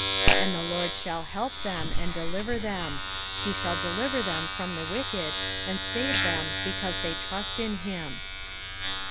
40 And the LORD shall help them, and deliver them : he shall de liver them from the wicked, and save them, because they trust in him.